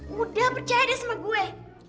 mudah percaya deh sama gue